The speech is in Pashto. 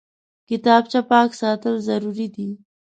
کتابچه پاک ساتل ضروري دي